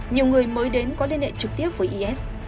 nhiều người mới đến có liên hệ trực tiếp với is